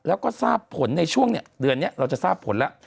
แล้วก็ทราบผลในช่วงเดือนนี้เราจะทราบผลแล้ว